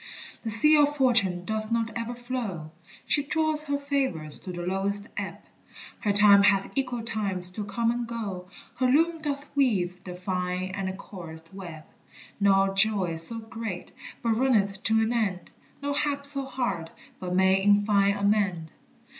The sea of Fortune doth not ever flow, She draws her favors to the lowest ebb; Her time hath equal times to come and go, Her loom doth weave the fine and coarsest web; No joy so great but runneth to an end, No hap so hard but may in fine amend.